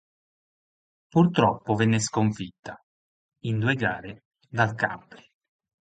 Purtroppo venne sconfitta, in due gare, dal Campli.